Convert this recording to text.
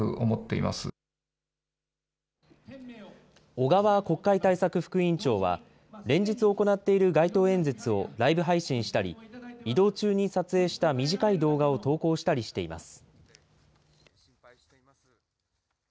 小川国会対策副委員長は、連日行っている街頭演説をライブ配信したり、移動中に撮影した短い動画を投稿したりしています。